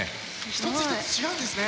一つ一つ違うんですね。